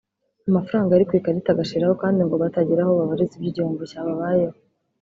amafaranga yari ku ikarita agashiraho kandi ngo batagira aho babariza iby’igihombo cyababayeho